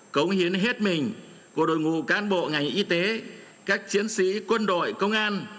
cống hiến hết mình của đội ngũ cán bộ ngành y tế các chiến sĩ quân đội công an